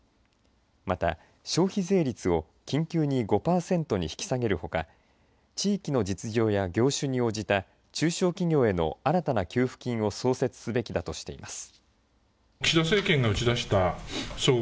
また、消費税率を緊急に５パーセントに引き下げるほか地域の実情や業種に応じた中小企業への新たな給付金を創設すべきだとしています。